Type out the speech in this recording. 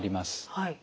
はい。